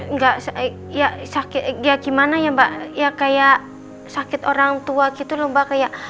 enggak ya sakit ya gimana ya mbak ya kayak sakit orang tua gitu loh mbak kayak